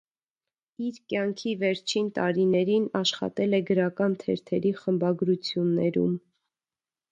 Իր կյանքի վերջին տարիներին աշխատել է գրական թերթերի խմբագրություններում։